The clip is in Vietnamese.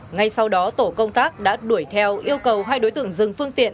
ngay sau đó tổ công tác đã đuổi theo yêu cầu hai đối tượng dừng phương tiện